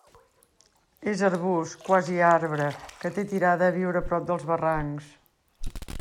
És arbust, quasi arbre, que té tirada a viure a prop dels barrancs.